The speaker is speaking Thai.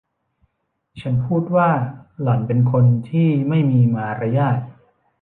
ฉันพูดว่า”หล่อนเป็นคนที่ไม่มีมารยาท”